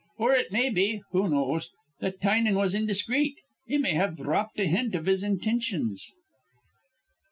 Or it may be who knows? that Tynan was indiscreet. He may have dhropped a hint of his intintions."